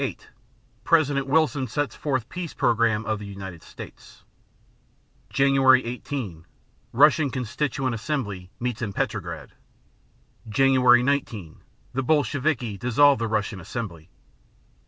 8 President Wilson sets forth peace program of the United States._ Jan. 18 Russian Constituent Assembly meets in Petrograd. Jan. 19 The Bolsheviki dissolve the Russian Assembly.